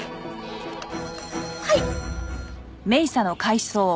はい。